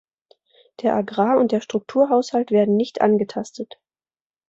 Der Agrar- und der Strukturhaushalt werden nicht angetastet.